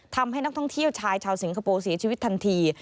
ทำให้นักท่องเที่ยวชายชาวสิงคโปร์เสียชีวิตทันที